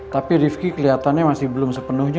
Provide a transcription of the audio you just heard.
tapi rifki kelihatannya masih belum sepenuhnya